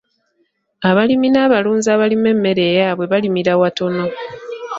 Abalimi n'abalunzi abalima emmere eyaabwe balimira watono.